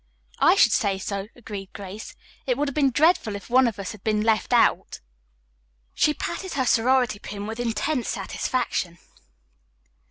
"I should say so," agreed Grace. "It would have been dreadful if one of us had been left out." She patted her sorority pin with intense satisfaction.